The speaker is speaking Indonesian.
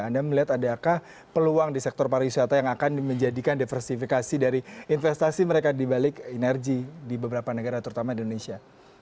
anda melihat adakah peluang di sektor pariwisata yang akan menjadikan diversifikasi dari investasi mereka dibalik energi di beberapa negara terutama di indonesia